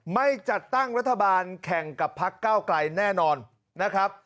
ไม่จัดตั้งรัฐบาลแข่งกับพักเก้าไกลแน่นอนนะครับ